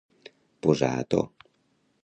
Posar a to.